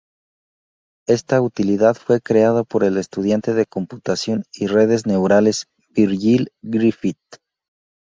Esta utilidad fue creada por el estudiante de computación y redes neurales, Virgil Griffith.